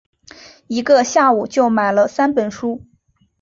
一个下午就买了三本书